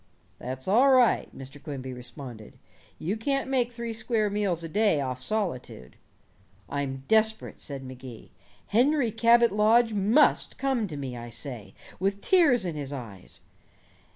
"That's all right," Mr. Quimby responded, "you can't make three square meals a day off solitude." "I'm desperate," said Magee. "Henry Cabot Lodge must come to me, I say, with tears in his eyes.